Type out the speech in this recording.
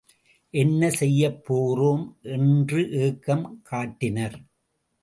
என்ன செய்யப்போகிறோம் என்று ஏக்கம் காட்டினர்.